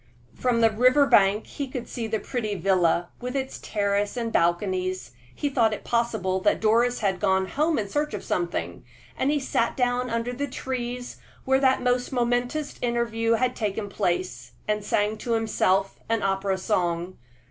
From the river bank he could see the pretty villa, with its terrace and balconies. He thought it possible that Doris had gone home in search of something, and he sat down under the trees where that most momentous interview had taken place, and sang to himself an opera song.